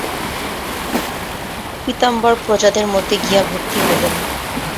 পীতাম্বর প্রজাদের মধ্যে গিয়া ভর্তি হইলেন।